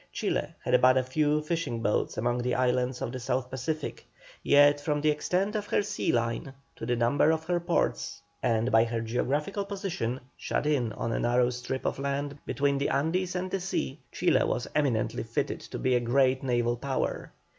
Chile had but a few fishing boats among the islands of the South Pacific, yet from the extent of her sea line, from the number of her ports, and by her geographical position, shut in on a narrow strip of land between the Andes and the sea, Chile was eminently fitted to be a great naval power.